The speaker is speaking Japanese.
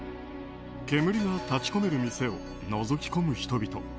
煙が立ち込める店をのぞき込む人々。